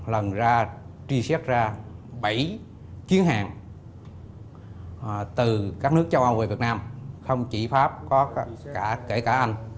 và bảy chuyến hàng từ các nước châu âu về việt nam không chỉ pháp có kể cả anh